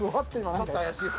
ちょっと怪しいです。